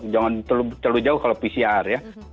jangan terlalu jauh kalau pcr ya